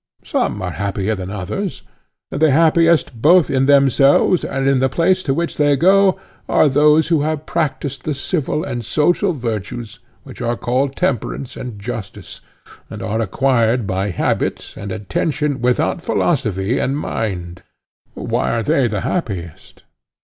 Some are happier than others; and the happiest both in themselves and in the place to which they go are those who have practised the civil and social virtues which are called temperance and justice, and are acquired by habit and attention without philosophy and mind. (Compare Republic.) Why are they the happiest?